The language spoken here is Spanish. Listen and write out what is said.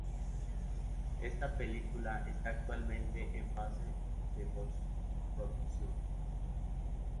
Esta película está actualmente en fase de postproducción.